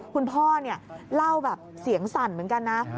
คุณพ่อเล่าแบบเสียงสั่นเหมือนกันนะ